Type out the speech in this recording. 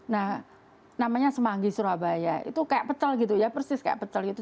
nah namanya semanggi surabaya itu kayak pecel gitu ya persis kayak pecel gitu